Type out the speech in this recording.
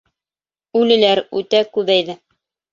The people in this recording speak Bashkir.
Үлеләр үтә күбәйҙе.